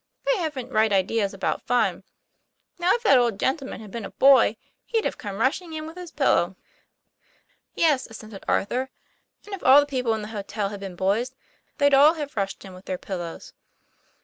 They haven't right ideas about fun. Now, if that old gentleman had been a boy, he'd have come rushing in with his pillow." u Yes, " assented Arthur; "and if all the people in the hotel had been boys, they'd all have rushed in with their pillows."